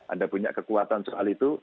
anda punya kekuatan soal itu